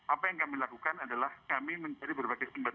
apa yang kami lakukan adalah kami mencari berbagai tempat